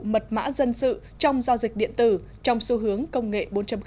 mật mã dân sự trong giao dịch điện tử trong xu hướng công nghệ bốn